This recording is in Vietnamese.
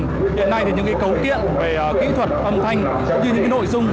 hiện nay thì những cái cấu kiện về kỹ thuật âm thanh như những cái nội dung